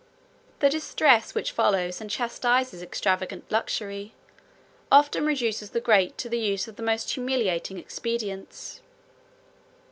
The distress which follows and chastises extravagant luxury, often reduces the great to the use of the most humiliating expedients.